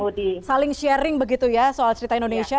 jadi saling sharing begitu ya soal cerita indonesia